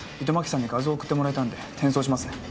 糸巻さんに画像を送ってもらえたんで転送しますね